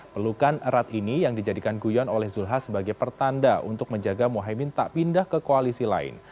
pelukan erat ini yang dijadikan guyon oleh zulhas sebagai pertanda untuk menjaga mohaimin tak pindah ke koalisi lain